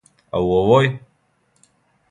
А у овој?